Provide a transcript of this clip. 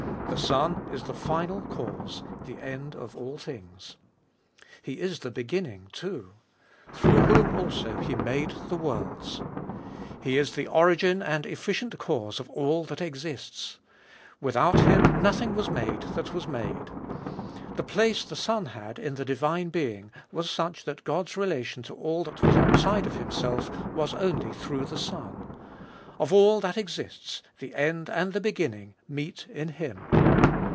The Son is the Final Cause, the End of all things. He is the Beginning too. Through whom He also made 1 Outshining. 40 Cbe 1bolie0t of 2W the worlds. He is the origin and Efficient Cause of all that exists. " Without Him nothing was made that was made." The place the Son had in the divine Being was such that God's relation to all that was outside of Himself was only through the Son. Of all that exists the end and the beginning meet in Him.